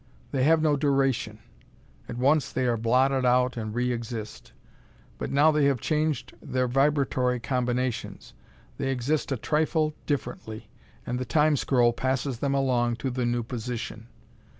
They have no duration. At once, they are blotted out and re exist. But now they have changed their vibratory combinations. They exist a trifle differently and the Time scroll passes them along to the new position.